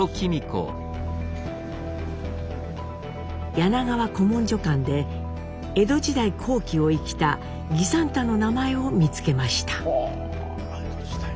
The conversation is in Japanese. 柳川古文書館で江戸時代後期を生きた儀三太の名前を見つけました。